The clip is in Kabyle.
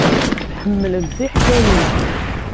Ḥemmlent tiḥkayin.